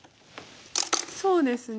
そうですね。